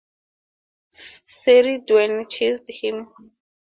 Ceridwen chased him.